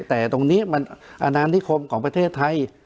แต่ตรงนี้มันอนานิคมของประเทศไทย